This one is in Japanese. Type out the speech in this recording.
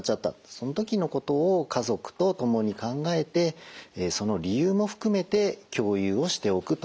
その時のことを家族と共に考えてその理由も含めて共有をしておくと。